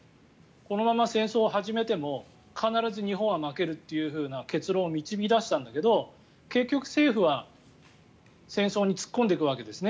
このまま戦争を始めても必ず日本は負けるという結論を導き出したんだけど結局、政府は戦争に突っ込んでいくわけですね。